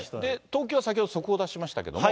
東京は先ほど速報を出しましたけれども。